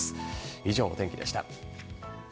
以上、お天気でした。